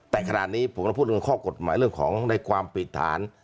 แต่ขนาดนี้ผมเราพูดถึงข้อกฎหมายเรื่องของในความผิดฐาน